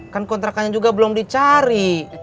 kan kontrakannya juga belum dicari